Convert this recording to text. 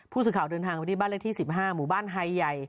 ผู้สื่อข่าวเดินทางไปที่บ้านเลขที่๑๕หมู่บ้านไฮใหญ่